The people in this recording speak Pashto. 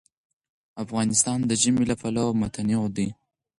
افغانستان د ژمی له پلوه متنوع دی.